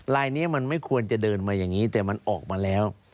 ลายนี้มันไม่ควรจะเดินมาอย่างนี้แต่มันออกมาแล้ว